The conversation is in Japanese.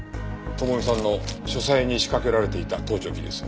智美さんの書斎に仕掛けられていた盗聴器です。